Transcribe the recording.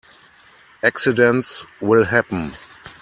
Accidents will happen.